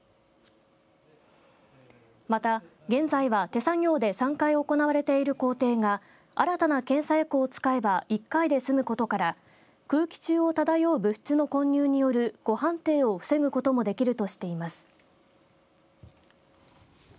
また、現在は手作業で３回行われている工程が新たな検査薬を使えば１回で済むことから空気中を漂う物質の混入による誤判定を防ぐこともできるとしています。